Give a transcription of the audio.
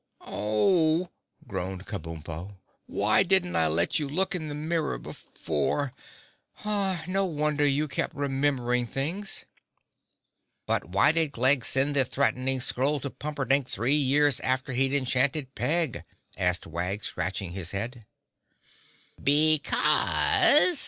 "Oh!" groaned Kabumpo. "Why didn't I let you look in the mirror before? No wonder you kept remembering things." "But why did Glegg send the threatening scroll to Pumperdink three years after he'd enchanted Peg?" asked Wag, scratching his head. "Because!"